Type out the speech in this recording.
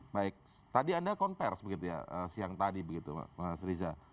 baik tadi anda konversi begitu ya siang tadi begitu mas riza